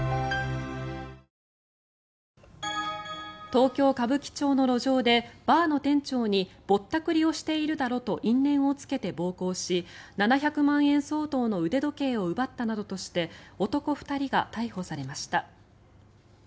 東京・歌舞伎町の路上でバーの店長にぼったくりをしているだろと因縁をつけて暴行し７００万円相当の腕時計を奪ったなどとして男２人が逮捕されました。